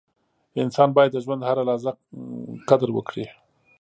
• انسان باید د ژوند هره لحظه قدر وکړي.